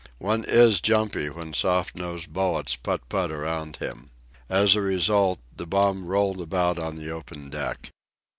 One is jumpy when soft nosed bullets putt putt around him. As a result, the bomb rolled about on the open deck.